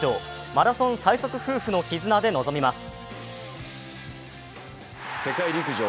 マラソン最速夫婦の絆で臨みます。